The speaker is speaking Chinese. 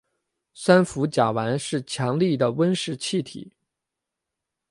三氟甲烷是强力的温室气体。